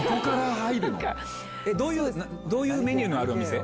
どういうメニューのある店？